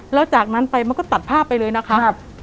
แล้วจากนั้นไปมันก็ตัดภาพไปเลยนะคะ